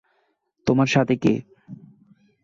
তোমার সাথে কে?